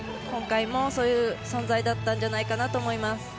今回もそういう存在だったんじゃないかなと思います。